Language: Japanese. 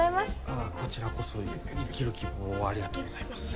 ああこちらこそ生きる希望をありがとうございます。